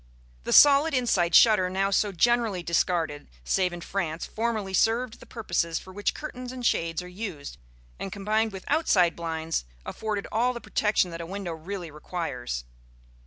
The solid inside shutter, now so generally discarded, save in France, formerly served the purposes for which curtains and shades are used, and, combined with outside blinds, afforded all the protection that a window really requires (see Plate XIX).